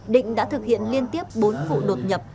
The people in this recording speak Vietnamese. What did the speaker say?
định đã thực hiện liên tiếp bốn vụ đột nhập